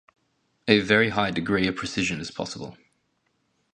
A very high degree of precision is possible.